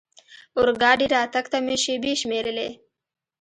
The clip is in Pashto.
اورګاډي راتګ ته مې شېبې شمېرلې.